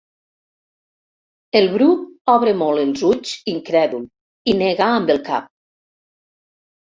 El Bru obre molt els ulls, incrèdul i nega amb el cap.